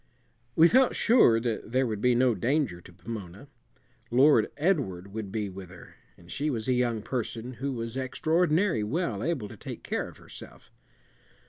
We felt sure that there would be no danger to Pomona. Lord Edward would be with her, and she was a young person who was extraordinary well able to take care of herself.